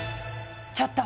ちょっと！